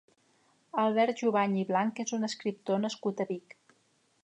Albert Juvany i Blanch és un escriptor nascut a Vic.